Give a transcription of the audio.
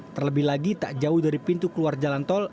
terlebih lagi tak jauh dari pintu keluar jalan tol